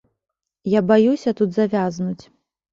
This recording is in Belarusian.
Я баюся тут завязнуць.